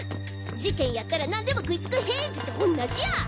事件やったら何でも食いつく平次と同じや！